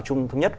trung thống nhất